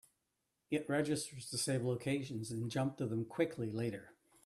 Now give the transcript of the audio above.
It registers to save locations and jump to them quickly later.